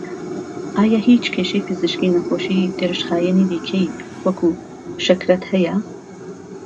ئایا هیچ کێشەی پزیشکی نەخۆشی درێژخایەنی دیکەی وەکوو شەکرەت هەیە؟